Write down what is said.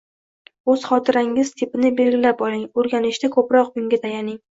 O‘z xotirangiz tipini belgilab oling, o‘rganishda ko‘proq unga tayaning.